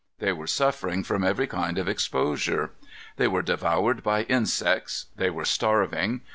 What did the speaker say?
They were suffering from every kind of exposure. They were devoured by insects. They were starving.